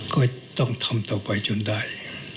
ก็ต้องทำต่อไปจนได้